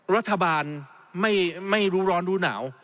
รัฐบาลไม่รู้ร้อนรู้หนาว